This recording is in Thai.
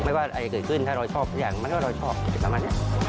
ไม่ว่าอะไรเกิดขึ้นถ้าเราชอบทุกอย่างมันไม่ว่าเราชอบกินตามัน